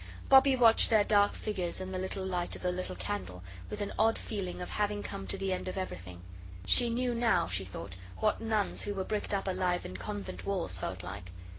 Bobbie watched their dark figures and the little light of the little candle with an odd feeling of having come to the end of everything. She knew now, she thought, what nuns who were bricked up alive in convent walls felt like.